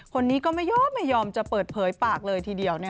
คนนี้ก็ไม่ยอมไม่ยอมจะเปิดเผยปากเลยทีเดียว